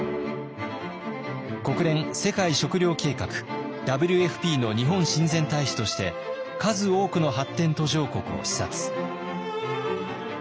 国連世界食糧計画ＷＦＰの日本親善大使として数多くの発展途上国を視察。